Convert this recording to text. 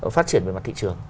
phát triển về mặt thị trường